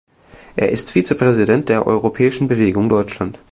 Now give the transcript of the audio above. Er ist Vizepräsident der Europäischen Bewegung Deutschland.